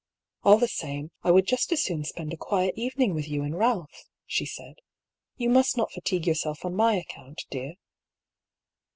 " All the same, I would just as soon spend a quiet evening with you and Balph," she said. " You must not fatigue yourself on my account, dear."